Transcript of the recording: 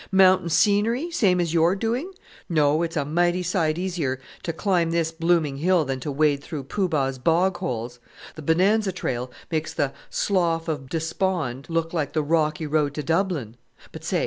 mountain scenery, same as you're doing? No, it's a mighty sight easier to climb this blooming hill than to wade through Poo Bah's bog holes. The Bonanza trail makes 'the slough of despond' look like the rocky road to Dublin! But say!